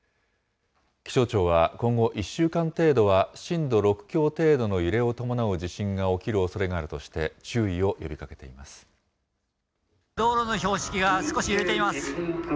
気象庁は今後１週間程度は、震度６強程度の揺れを伴う地震が起きるおそれがあるとして、注意道路の標識が少し揺れています。